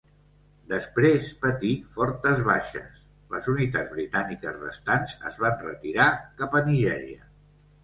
Després patir fortes baixes, les unitats britàniques restants es van retirar cap a Nigèria.